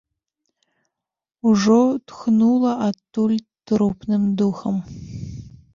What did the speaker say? Ужо тхнула адтуль трупным духам.